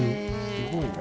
すごいな。